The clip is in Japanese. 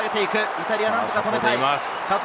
イタリア、何とか止めたい。